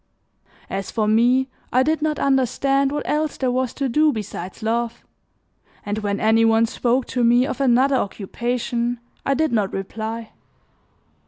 As for me I did not understand what else there was to do besides love, and when any one spoke to me of another occupation I did not reply.